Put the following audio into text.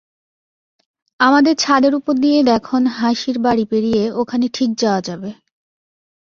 আমাদের ছাদের উপর দিয়ে দেখন-হাসির বাড়ি পেরিয়ে ওখানে ঠিক যাওয়া যাবে।